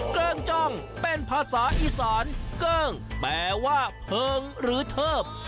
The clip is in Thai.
เกิ้งจ้องเป็นภาษาอีสานเกิ้งแปลว่าเพลิงหรือเทิบ